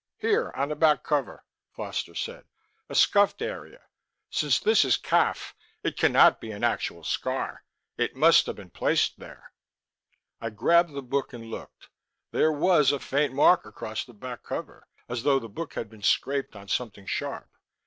"Here on the back cover," Foster said. "A scuffed area. Since this is khaff, it cannot be an actual scar. It must have been placed there." I grabbed the book and looked. There was a faint mark across the back cover, as though the book had been scraped on something sharp.